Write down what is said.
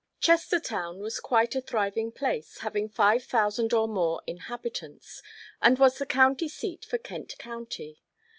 Chestertown was quite a thriving place, having five thousand or more inhabitants, and was the county seat for Kent County.